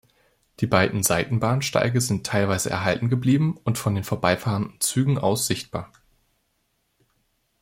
Die beiden Seitenbahnsteige sind teilweise erhalten geblieben und von den vorbeifahrenden Zügen aus sichtbar.